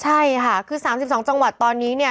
ใช่ค่ะคือ๓๒จังหวัดตอนนี้เนี่ย